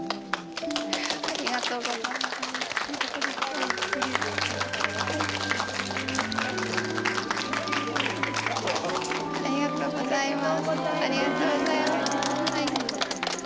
ありがとうございます。